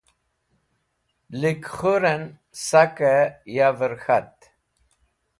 Lik khũrẽn sakẽ yav k̃hat.